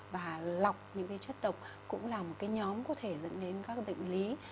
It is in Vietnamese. và lọc những cái chất độc cũng là một cái nhóm có thể dẫn đến các bệnh lý